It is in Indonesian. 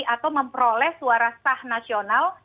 atau memperoleh suara sah nasional